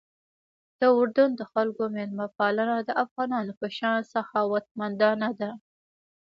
د اردن د خلکو میلمه پالنه د افغانانو په شان سخاوتمندانه ده.